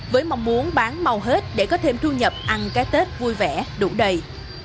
với mong muốn bán mau hết để có thêm thu nhập ăn cái tết vui vẻ đủ đầy